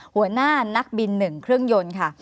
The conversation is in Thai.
หัวหน้านักบิน๑เครื่องยนต์ค่ะ